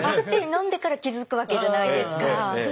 飲んでから気付くわけじゃないですか。